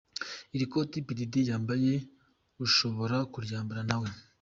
Iri koti P Diddy yambaye ushobora kuryambara nawe.